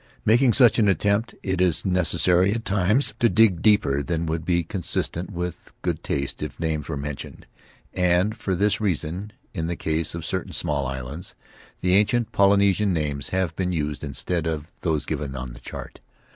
In making such an attempt it is neces sary at times to dig deeper than would be consistent with good taste if names were mentioned, and for this reason — in the case of certain small islands — the ancient Polynesian names have been used instead of those given on the chart.